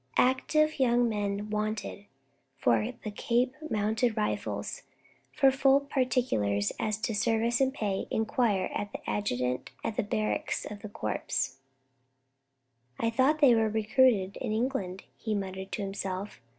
"Active young men wanted for the Cape Mounted Rifles. For full particulars as to service and pay, inquire of the Adjutant at the Barracks of the Corps." "I thought they were recruited in England," he muttered to himself.